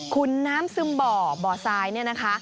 ขุนน้ำซึมบ่อบ่อทรายเนี่ยนะคะ